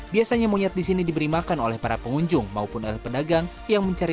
biasanya monyet di sini diberi makan oleh para pengunjung maupun oleh pedagang yang mencari